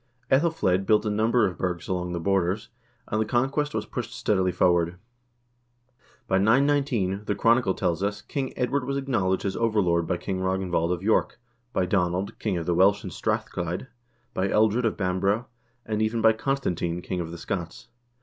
iEthelflsed built a number of burghs along the borders, and the conquest was pushed steadily forward. By 919, the chronicle tells us, King Edward was acknowledged as overlord by King Ragn vald of York, by Donald, king of the Welsh in Strathchlyde, by Ealdred of Bamborough, and even by Constantine, king of the Scots.